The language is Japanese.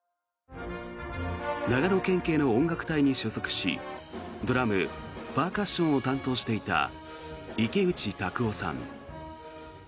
長野県警の音楽隊に所属しドラム、パーカッションを担当していた池内卓夫さん。